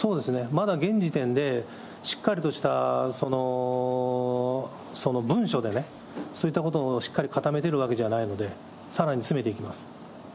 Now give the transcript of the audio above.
まだ現時点でしっかりとした文書でね、そういったことをしっかり固めてるわけじゃないので、さらに詰めていきます。